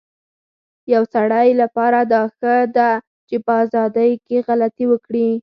يو سړي لپاره دا ښه ده چي په ازادی کي غلطي وکړی